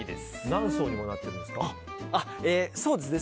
何層にもなっているんですか。